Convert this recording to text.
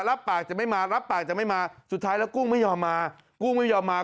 รับปากจะไม่มารับปากจะไม่มาสุดท้ายแล้วกุ้งไม่ยอมมากุ้งไม่ยอมมา